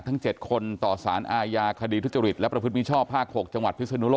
ทั้งเจ็ดคนต่อสารอายาคดีทุจริตแล้วประพฤติมิชช่อภาคหกจังหวัดพิศน